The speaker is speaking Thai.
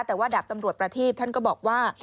แต่ว่าดาบตำรวจประทีพท่านก็บอกว่า